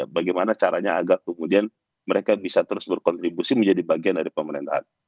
bagaimana caranya agar kemudian mereka bisa terus berkontribusi menjadi bagian dari pemerintahan